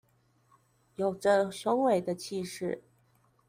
有著雄偉的氣勢